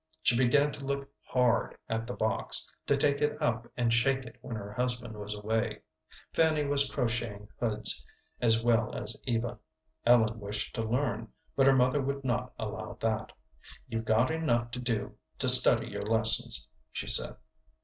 She began to look hard at the box, to take it up and shake it when her husband was away. Fanny was crocheting hoods as well as Eva. Ellen wished to learn, but her mother would not allow that. "You've got enough to do to study your lessons," she said.